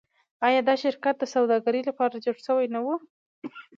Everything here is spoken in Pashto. آیا دا شرکت د سوداګرۍ لپاره جوړ شوی نه و؟